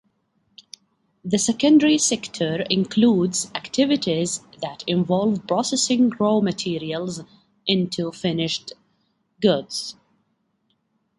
The secondary sector includes activities that involve processing raw materials into finished goods.